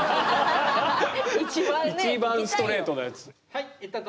一番ストレートなやつ。